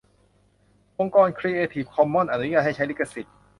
องค์กร ครีเอทีฟ คอมมอนส์ อนุญาตให้ใช้ลิขสิทธิ์